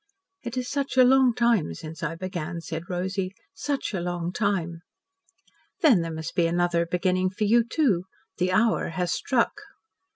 "It is such a long time since I began," said Rosy, "such a long time." "Then there must be another beginning for you, too. The hour has struck."